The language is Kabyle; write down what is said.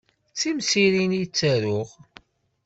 D timsirin i ttaruɣ.